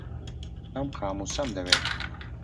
ئەم قامووسەم دەوێت.